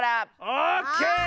オッケー！